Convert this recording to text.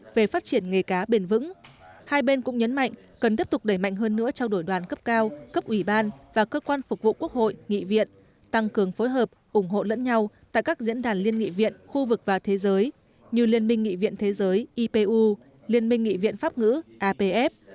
về phát triển nghề cá bền vững hai bên cũng nhấn mạnh cần tiếp tục đẩy mạnh hơn nữa trao đổi đoàn cấp cao cấp ủy ban và cơ quan phục vụ quốc hội nghị viện tăng cường phối hợp ủng hộ lẫn nhau tại các diễn đàn liên nghị viện khu vực và thế giới như liên minh nghị viện thế giới ipu liên minh nghị viện pháp ngữ apf